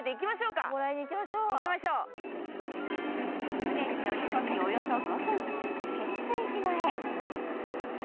船に乗り込みおよそ５分、仙酔島へ。